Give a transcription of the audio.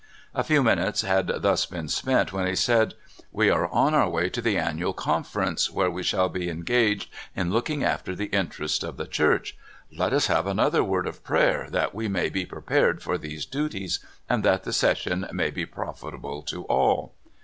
A few minutes had thus been spent, when he said: '* We are on our way to the Annual Conference, where we shall be engaged in looking after the interests of the Church. Let us have another word of prayer, that we may be prepared for these duties, and that the session may be profitable to all."